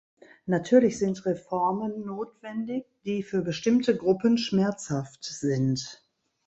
Natürlich sind Reformen notwendig, die für bestimmte Gruppen schmerzhaft sind.